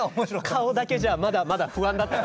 顔だけじゃまだまだ不安だった。